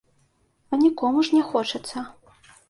А нікому ж не хочацца.